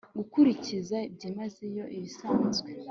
Gukurikiza byimazeyo ibisanzwe